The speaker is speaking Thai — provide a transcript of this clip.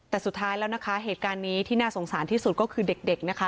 แต่สุดท้ายแล้วนะคะเหตุการณ์นี้ที่น่าสงสารที่สุดก็คือเด็กนะคะ